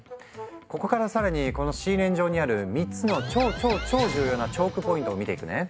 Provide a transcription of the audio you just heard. ここからさらにこのシーレーン上にある３つの超超超重要なチョークポイントを見ていくね。